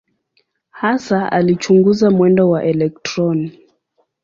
Hasa alichunguza mwendo wa elektroni.